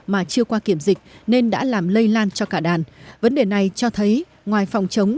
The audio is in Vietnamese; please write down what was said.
mà chưa qua kiểm dịch nên đã làm lây lan cho cả đàn vấn đề này cho thấy ngoài phòng chống